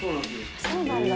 そうなんだ。